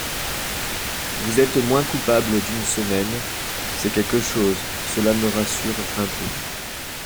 Vous êtes moins coupable d'une semaine ; c'est quelque chose ; cela me rassure un peu.